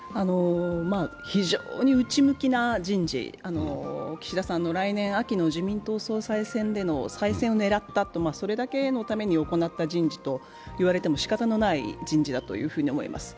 非常に内向きな人事、岸田さんの来年秋の自民党総裁選での再選を狙ったと、それだけのために行った人事だと言われてもしかたがない人事だと思います。